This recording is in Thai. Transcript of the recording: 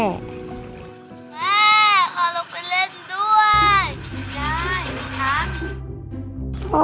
แม่ขอลงไปเล่นด้วย